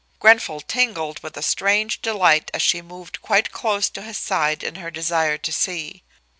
Grenfall tingled with a strange delight as she moved quite close to his side in her desire to see.